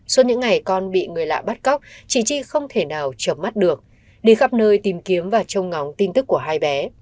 suốt những ngày con bị người lạ bắt cóc chị chi không thể nào chập mắt được đi khắp nơi tìm kiếm và trông ngóng tin tức của hai bé